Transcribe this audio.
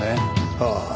ああ。